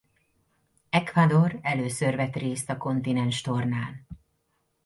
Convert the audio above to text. Ecuador először vett részt a kontinenstornán.